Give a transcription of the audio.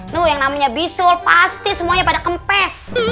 nuh yang namanya bisur pasti semuanya pada kempes